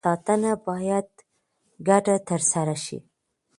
چاپېریال ساتنه باید ګډه ترسره شي.